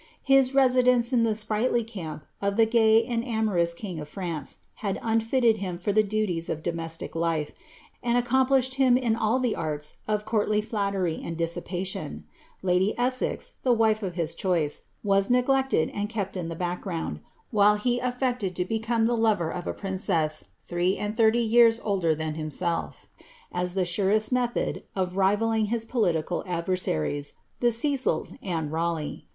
His residence in the sprightly camp of the gay and Morous king of France had unfitted him for the duties of domestic life, tad accomplished him in ail the arts of courtly flattery and dissipation, Uffy Essex, the wife of his choice, was neglected and kept in the back ground, while he afiected to become the lover of a princess, three and thirty years older than himself, as the surest method of rivalling his political adversaries, the Cecils and Raleigh.